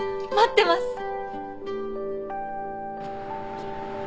待ってます！